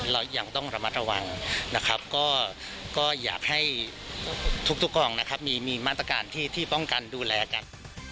เรายังต้องระมัดระวังนะครับก็อยากให้ทุกกองนะครับมีมาตรการที่ป้องกันดูแลกัน